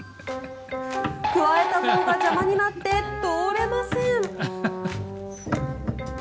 くわえた棒が邪魔になって通れません。